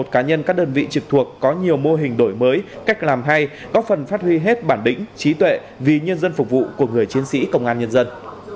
một mươi cá nhân các đơn vị trực thuộc có nhiều mô hình đổi mới cách làm hay góp phần phát huy hết bản lĩnh trí tuệ vì nhân dân phục vụ của người chiến sĩ công an nhân dân